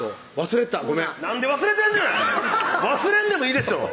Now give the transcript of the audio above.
忘れんでもいいでしょ